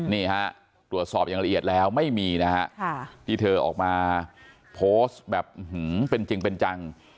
นี่ฮะตรวจสอบอย่างละเอียดแล้วไม่มีนะฮะที่เธอออกมาโพสต์แบบเป็นจริงเป็นจัง